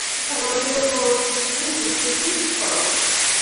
পিথাগোরাসের উপপাদ্যটি বিবৃত করো।